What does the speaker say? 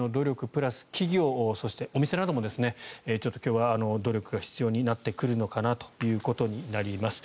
プラス企業、そしてお店などもちょっと今日は努力が必要になってくるのかなということになります。